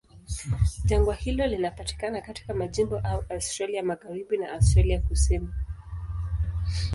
Jangwa hilo linapatikana katika majimbo ya Australia Magharibi na Australia Kusini.